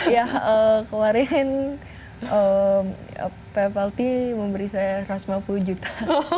ya kemarin pp pelti memberi saya rp lima puluh juta